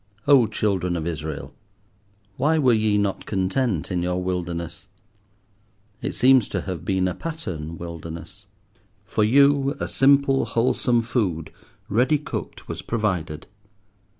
Oh, Children of Israel! why were ye not content in your wilderness? It seems to have been a pattern wilderness. For you, a simple wholesome food, ready cooked, was provided.